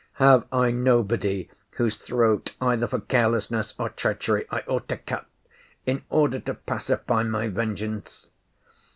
—Have I nobody, whose throat, either for carelessness or treachery, I ought to cut, in order to pacify my vengeance?